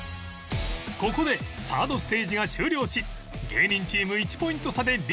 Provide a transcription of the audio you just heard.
ここで ３ｒｄ ステージが終了し芸人チーム１ポイント差でリード